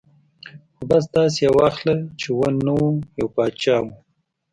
ـ خو بس داسې یې واخله چې و نه و ، یو باچا و.